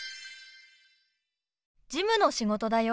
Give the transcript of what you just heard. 事務の仕事だよ。